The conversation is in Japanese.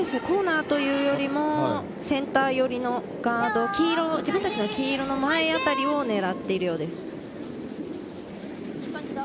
コーナーというよりもセンター寄りのガード、自分たちの黄色の前あたりをねらっているようです。